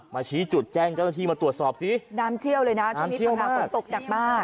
มาชี้จุดแจ้งเจ้าหน้าที่มาตรวจสอบสิน้ำเชี่ยวเลยน่ะน้ำเชี่ยวมากช่วงนี้ต้องหาคนตกดักบาด